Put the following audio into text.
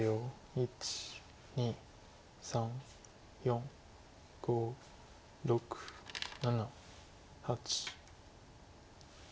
１２３４５６７８。